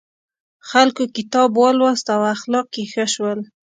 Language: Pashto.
خلکو کتاب ولوست او اخلاق یې ښه شول.